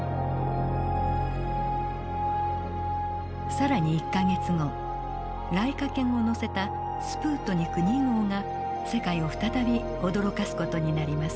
更に１か月後ライカ犬を乗せたスプートニク２号が世界を再び驚かす事になります。